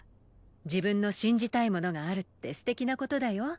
自分の信じたいものがあるって素敵な事だよ。